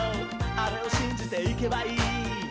あれをしんじていけばいい」